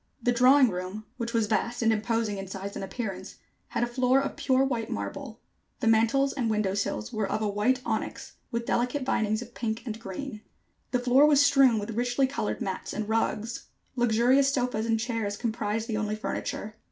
The drawing room, which was vast and imposing in size and appearance, had a floor of pure white marble. The mantels and window sills were of white onyx, with delicate vinings of pink and green. The floor was strewn with richly colored mats and rugs. Luxurious sofas and chairs comprised the only furniture.